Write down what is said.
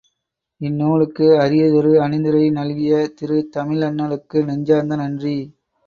இந்நூலுக்கு அரியதொரு அணிந்துரை நல்கிய திரு தமிழண்ணலுக்கு நெஞ்சார்ந்த நன்றி.